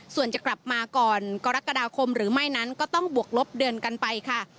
ส่วนจะกลับมาก่อนกรกฎาคมหรือไม่นั้นก็ต้องบวกลบเดือนกันไปค่ะ